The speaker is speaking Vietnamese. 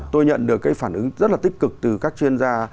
tôi nhận được cái phản ứng rất là tích cực từ các chuyên gia